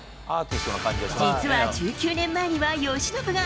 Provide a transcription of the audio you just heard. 実は１９年前には、由伸が。